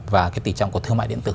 và tỉ trọng thương mại điện tử